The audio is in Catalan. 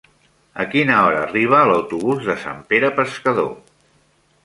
A quina hora arriba l'autobús de Sant Pere Pescador?